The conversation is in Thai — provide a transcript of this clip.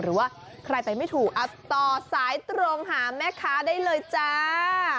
หรือว่าใครไปไม่ถูกต่อสายตรงหาแม่ค้าได้เลยจ้า